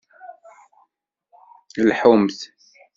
Lḥumt.